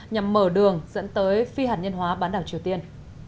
nhằm mở đường dẫn tới phi hạt nhân hóa bán đảo triều tiên